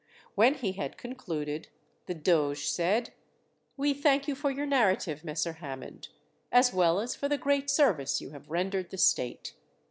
When he had concluded the doge said: "We thank you for your narrative, Messer Hammond, as well as for the great service you have rendered the state.